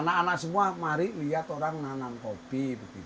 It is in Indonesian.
kepala tanah kopi